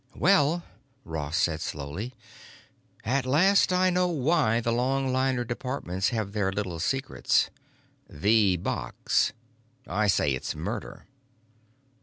"Well," Ross said slowly, "at last I know why the Longliner Departments have their little secrets. 'The box.' I say it's murder."